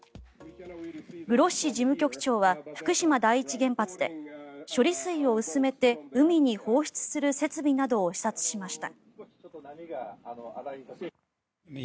グロッシ事務局長は福島第一原発で処理水を薄めて海に放出する設備などを視察しました。